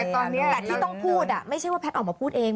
แต่ที่ต้องพูดไม่ใช่ว่าแพทย์ออกมาพูดเอง